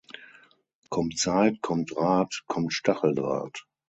Kommt Zeit, kommt Rat, kommt Stacheldraht.